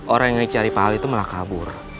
orang yang cari pahal itu malah kabur